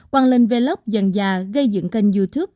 hoàng linh vlog dần già gây dựng kênh youtube